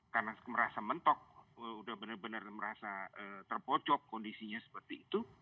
karena merasa mentok sudah benar benar merasa terpocok kondisinya seperti itu